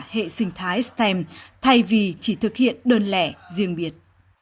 hệ sinh thái stem thay vì chỉ thực hiện đơn lẻ riêng biệt